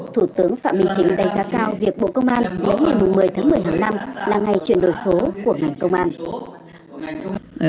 thủ tướng phạm minh chính đánh giá cao việc bộ công an bố ngày một mươi tháng một mươi hàng năm là ngày chuyển đổi số của ngành công an